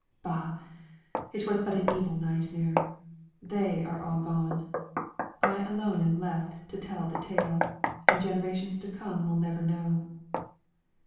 Bah! It was but an evil nightmare. They are all gone. I alone am left to tell the tale; and generations to come will never know.